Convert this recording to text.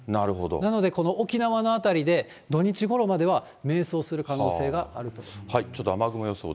なので、この沖縄の辺りで土日ごろまでは迷走する可能性があると。